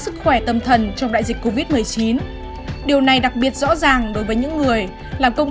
sức khỏe tâm thần trong đại dịch covid một mươi chín điều này đặc biệt rõ ràng đối với những người làm công